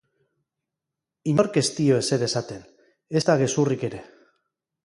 Inork ez dio ezer esaten, ezta gezurrik ere.